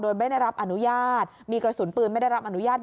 โดยไม่ได้รับอนุญาตมีกระสุนปืนไม่ได้รับอนุญาต